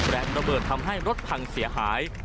แรงระเบิดทำให้รถพังเสียหาย